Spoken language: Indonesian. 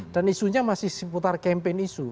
dan isunya masih seputar campaign isu